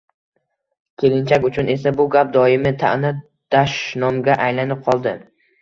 Kelinchak uchun esa bu gap doimiy ta`na-dashnomga aylanib qoldi